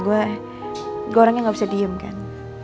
gua orangnya nggak bisa diem kan